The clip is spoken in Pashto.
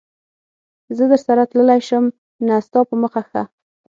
زه درسره تللای شم؟ نه، ستا په مخه ښه.